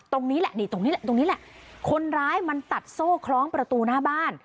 ตรงนี้แหละนี่ตรงนี้แหละตรงนี้แหละคนร้ายมันตัดโซ่คล้องประตูหน้าบ้าน